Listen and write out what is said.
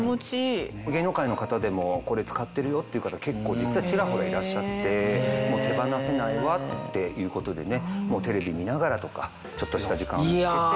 芸能界の方でもこれ使ってるよっていう方結構実はちらほらいらっしゃってもう手放せないわっていうことでテレビ見ながらとかちょっとした時間を見つけて。